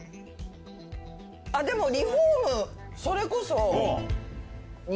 でもリフォームそれこそ。